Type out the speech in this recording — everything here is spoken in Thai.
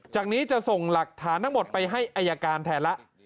จากนี้จะส่งหลักฐานทั้งหมดไปให้อายการแทนแล้ว